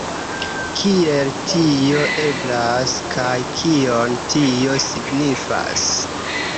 Kiel tio eblas, kaj kion tio signifas?